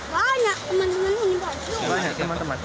banyak teman teman ini